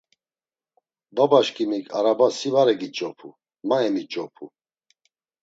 Babaşǩimik araba si var egiç̌opu, ma emiç̌opu.